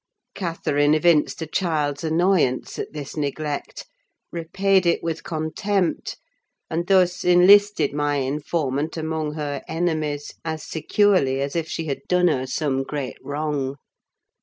Catherine evinced a child's annoyance at this neglect; repaid it with contempt, and thus enlisted my informant among her enemies, as securely as if she had done her some great wrong.